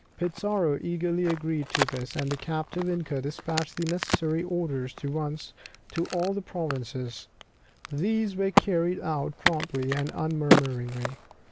Pizarro eagerly agreed to this, and the captive inca despatched the necessary orders at once to all the provinces; these were carried out promptly and unmurmuringly.